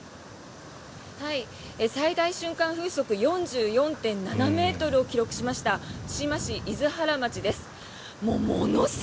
最大瞬間風速４４．７ｍを記録しました対馬市厳原町です。